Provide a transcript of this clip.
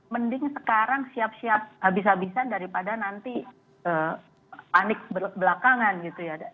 mending sekarang siap siap habis habisan daripada nanti panik belakangan gitu ya